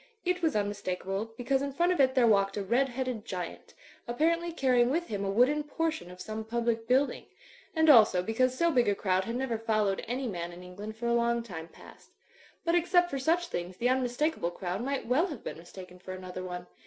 It was tmmistakable, because in front of it there walked a red headed giant, apparently carrying with him a wooden portion of some public building; and also because so big a crowd had never followed any man in England for a long time past. But except for such things the unmistakable crowd might well have been mistaken for another one.